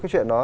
cái chuyện đó